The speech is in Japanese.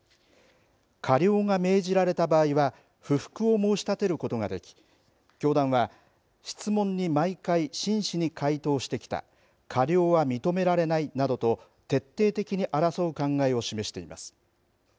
過料が命じられた場合は不服を申し立てることができ教団は質問に毎回真摯に回答してきた過料は認められないなどと徹底的に争う考えを示しています。